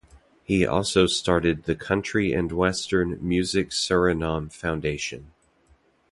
He also started the Country and Western Music Suriname foundation.